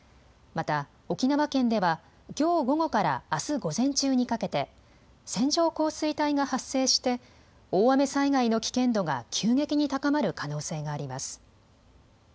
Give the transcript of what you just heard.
また沖縄県では、きょう午後からあす午前中にかけて線状降水帯が発生して大雨災害の危険度が急激に高まる可能性があります。